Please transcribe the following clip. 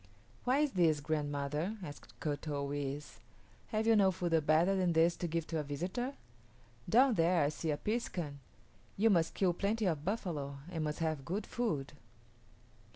"Why is this, grandmother?" asked Kut o yis´. "Have you no food better than this to give to a visitor? Down there I see a piskun; you must kill plenty of buffalo and must have good food."